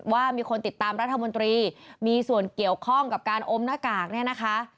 ว่ามีคนติดตามรัฐมนตรีมีส่วนเกี่ยวข้องกับการอมหน้ากากเนี่ยนะคะ